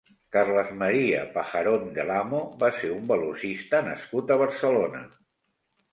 Carles Maria Pajarón del Amo va ser un velocista nascut a Barcelona.